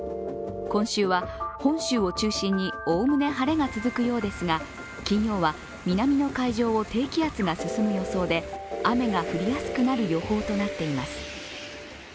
今週は本州を中心におおむね晴れが続くようですが金曜は南の海上を低気圧が進む予想で雨が降りやすくなる予報となっています。